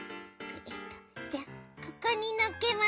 じゃあここにのっけます。